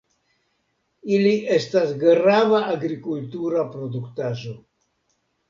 Ili estas grava agrikultura produktaĵo.